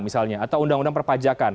misalnya atau undang undang perpajakan